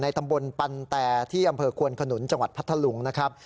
ตำบลปันแต่ที่อำเภอควนขนุนจังหวัดพัทธลุงนะครับ